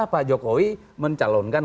pak jokowi mencalonkan